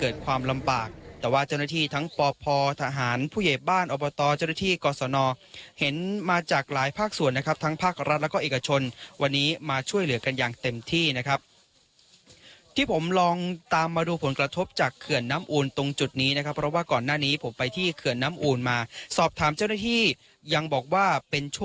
เกิดความลำบากแต่ว่าเจ้าหน้าที่ทั้งปพทหารผู้ใหญ่บ้านอบตเจ้าหน้าที่กศนเห็นมาจากหลายภาคส่วนนะครับทั้งภาครัฐแล้วก็เอกชนวันนี้มาช่วยเหลือกันอย่างเต็มที่นะครับที่ผมลองตามมาดูผลกระทบจากเขื่อนน้ำอูนตรงจุดนี้นะครับเพราะว่าก่อนหน้านี้ผมไปที่เขื่อนน้ำอูนมาสอบถามเจ้าหน้าที่ยังบอกว่าเป็นช